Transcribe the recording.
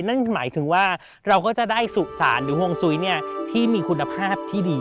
นั่นหมายถึงว่าเราก็จะได้สุสานหรือห่วงซุ้ยที่มีคุณภาพที่ดี